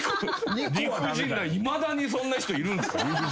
理不尽ないまだにそんな人いるんすか。